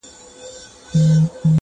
نه یې غوږ وو پر ښکنځلو پر جنګونو!!